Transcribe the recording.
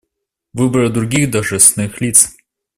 Выборы других должностных лиц.